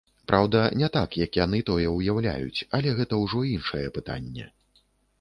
Праўда, не так, як яны тое ўяўляюць, але гэта ўжо іншае пытанне.